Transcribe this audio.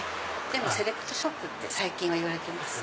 でもセレクトショップって最近は言われてます。